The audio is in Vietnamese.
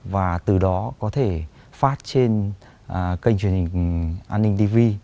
và từ đó có thể phát trên kênh truyền hình an ninh tv